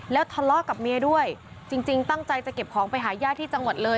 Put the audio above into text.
แล้วทะเลาะกับเมียด้วยจริงตั้งใจจะเก็บของไปหาญาติที่จังหวัดเลย